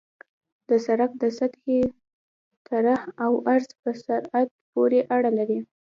د سرک د سطحې طرح او عرض په سرعت پورې اړه لري